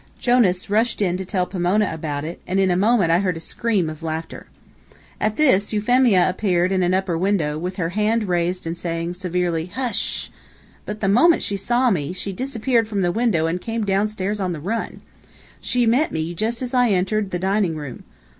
Jonas rushed in to tell Pomona about it, and in a moment I heard a scream of laughter. At this, Euphemia appeared at an upper window, with her hand raised and saying, severely: "Hush h!" But the moment she saw me, she disappeared from the window and came down stairs on the run. She met me, just as I entered the dining room.